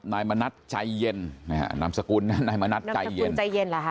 นายมณัชใจเย็นนามสกุลนั้นนายมณัชใจเย็น